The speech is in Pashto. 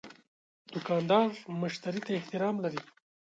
دوکاندار مشتری ته احترام لري.